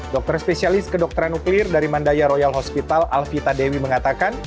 dokter spesialis kedokteran nuklir dari mandaya royal hospital alvita dewi mengatakan